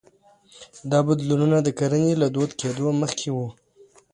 دا بدلونونه د کرنې له دود کېدو مخکې وو